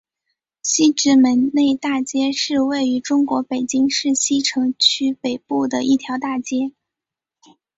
西直门内大街是位于中国北京市西城区北部的一条大街。